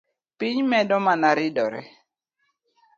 Piny medo mana ridore